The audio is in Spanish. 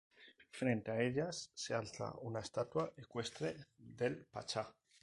Frente a ella se alza una estatua ecuestre del pachá.